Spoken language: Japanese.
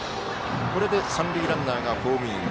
これで三塁ランナーがホームイン。